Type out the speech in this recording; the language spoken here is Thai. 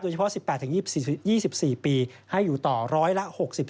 เฉพาะ๑๘๒๔ปีให้อยู่ต่อร้อยละ๖๒